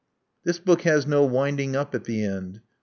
This book has no winding up at the end.